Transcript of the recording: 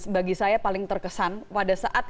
bagi saya paling terkesan pada saat